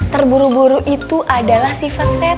terburu buru itu adalah sifat sehat